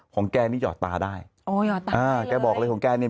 ของแกนี่หยอดตาได้แกบอกเลยของแกเนี่ย